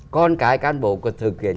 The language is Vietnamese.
con cái cán bộ có thực hiện